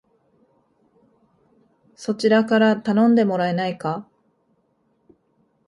そちらから頼んでもらえないか